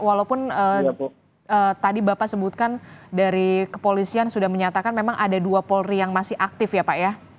walaupun tadi bapak sebutkan dari kepolisian sudah menyatakan memang ada dua polri yang masih aktif ya pak ya